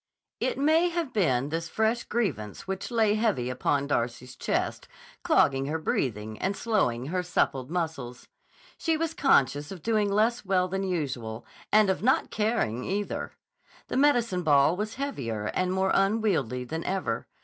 It may have been this fresh grievance which lay heavy upon Darcy's chest, clogging her breathing and slowing her suppled muscles. She was conscious of doing less well than usual—and of not caring, either! The medicine ball was heavier and more unwieldy than ever.